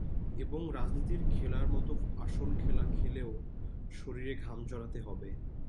এবং রাজনীতির খেলার মতো আসল খেলা খেলেও শরীরে ঘাম ঝরাতে হবে।